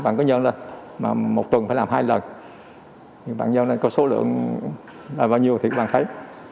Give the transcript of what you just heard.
bạn có nhớ lên một tuần phải làm hai lần bạn nhớ lên có số lượng là bao nhiêu thì các bạn thấy